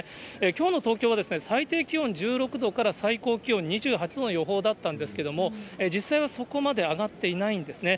きょうの東京は最低気温１６度から最高気温２８度の予報だったんですけども、実際はそこまで上がっていないんですね。